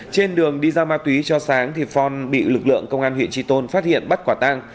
trên đường đi giao ma túy cho sáng thì phong bị lực lượng công an huyện tri tôn phát hiện bắt quả tang